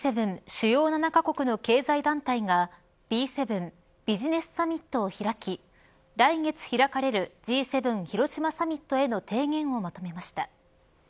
主要７カ国の経済団体がＢ７ビジネスサミットを開き来月開かれるＧ７広島サミットへの提言をまとめました。